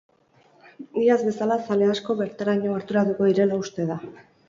Iaz bazala zale asko bertaraino gerturatuko direla uste da.